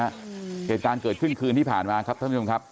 เหตุการณ์เกิดขึ้นคืนที่ผ่านมาครับท่านผู้ชมครับ